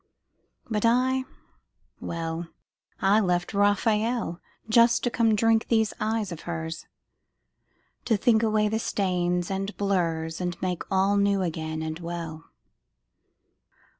But I, well, I left Raphael Just to come drink these eyes of hers, To think away the stains and blurs And make all new again and well.